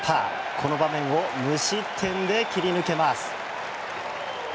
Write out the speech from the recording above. この場面を無失点で切り抜けます。